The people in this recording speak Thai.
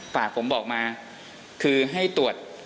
ฝากผมบอกมาคือให้ตรวจ